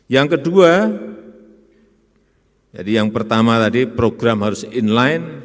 yang kedua jadi yang pertama tadi program harus inline